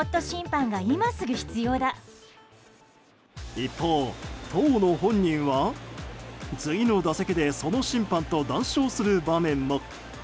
一方、当の本人は次の打席でその審判と談笑する場面も。